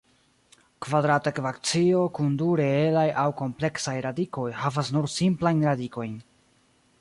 Kvadrata ekvacio kun du reelaj aŭ kompleksaj radikoj havas nur simplajn radikojn.